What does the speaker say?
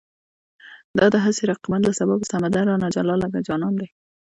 د دا هسې رقیبانو له سببه، سمندر رانه جلا لکه جانان دی